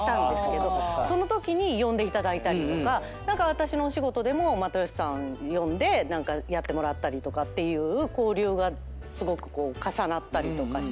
私のお仕事でも又吉さん呼んで何かやってもらったりとかっていう交流がすごく重なったりして。